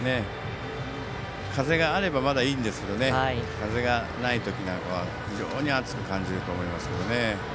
風があればまだいいんですが、風がない時は非常に暑く感じると思います。